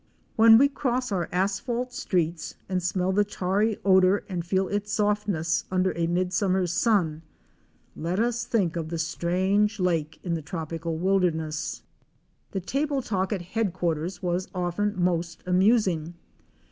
When we cross our asphalt streets and smell the tarry odor and feel its softness under a mid summer's sun, let us think of the strange lake in the tropical wilderness. The table talk at '' Headquarters," was often most amus ing.